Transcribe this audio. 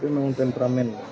tapi memang temperamen